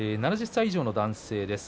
７０歳以上の男性です。